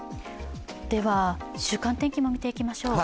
では、週間天気も見ていきましょう。